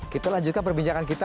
kita lanjutkan perbincangan kita